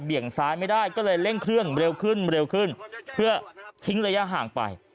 ี่ยงซ้ายไม่ได้ก็เลยเร่งเครื่องเร็วขึ้นเร็วขึ้นเพื่อทิ้งระยะห่างไป